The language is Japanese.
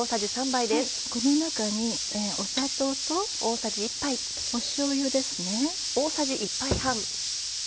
この中に砂糖としょうゆですね。